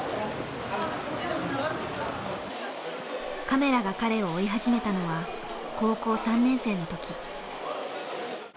カメラが彼を追い始めたのは高校３年生の時。